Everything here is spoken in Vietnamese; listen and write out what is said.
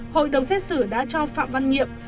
hội đồng xét xử đã cho phạm văn nhiệm